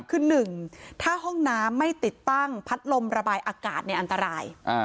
คือ๑ถ้าห้องน้ำไม่ติดตั้งพัดลมระบายอากาศอันตราย